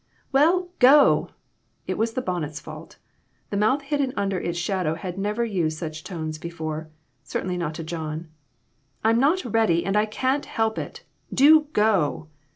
"Well, go!" It was the bonnet's fault. The mouth hidden under its shadow had never used such tones before certainly not to John. "I'm not ready, and I can't help it. Do go."